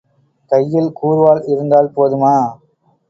கையில் கூர்வாள் இருந்தால் போதுமா?